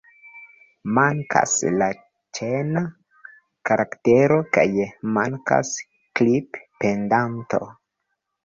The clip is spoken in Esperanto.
Mankas la ĉena karaktero kaj mankas "klip-pendanto".